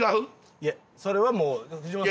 それはもう藤本さんに。